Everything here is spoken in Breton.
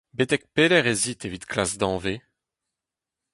Betek pelec'h ez it evit klask danvez ?